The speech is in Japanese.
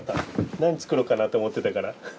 何作ろうかなと思ってたから。